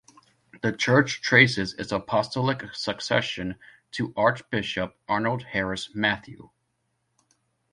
The Church traces its apostolic succession to Archbishop Arnold Harris Mathew.